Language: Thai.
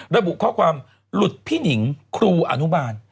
ระบุข้อความหลุดพี่หนิงครูอนุบาล